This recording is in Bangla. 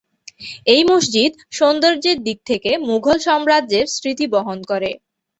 এই মসজিদ সৌন্দর্যের দিক থেকে মুঘল সাম্রাজ্যের স্মৃতি বহন করে।